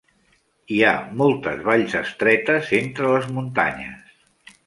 Hi ha moltes valls estretes entre les muntanyes.